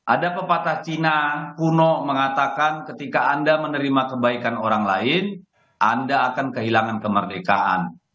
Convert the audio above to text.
ada pepatah cina kuno mengatakan ketika anda menerima kebaikan orang lain anda akan kehilangan kemerdekaan